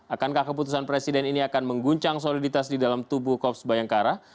akankah keputusan presiden ini akan mengguncang soliditas di dalam tubuh korps bayangkara